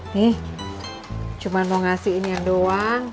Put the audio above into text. nih cuma mau ngasihin yang doang